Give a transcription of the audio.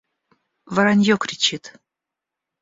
Воронье кричит.